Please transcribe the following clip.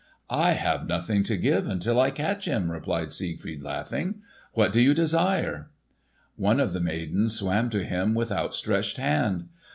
"I have nothing to give until I catch him," replied Siegfried laughing. "What do you desire?" One of the maidens swam to him with outstretched hand.